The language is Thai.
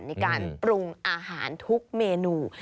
ในการปรุงอาหารทุกเมนู